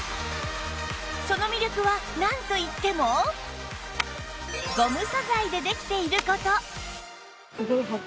その魅力はなんといってもゴム素材でできている事